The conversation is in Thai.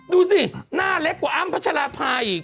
ดูสิหน้าเล็กกว่าอามพระชรภาพี่อีก